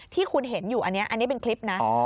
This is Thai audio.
ที่คุณเห็นอยู่อันนี้เป็นคลิปนะ